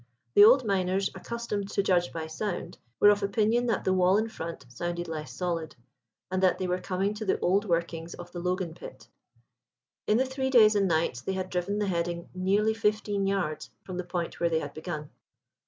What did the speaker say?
The old miners, accustomed to judge by sound, were of opinion that the wall in front sounded less solid, and that they were coming to the old workings of the Logan pit. In the three days and nights they had driven the heading nearly fifteen yards from the point where they had begun.